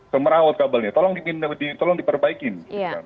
semerawat kabelnya tolong dipindahin tolong diperbaikin gitu kan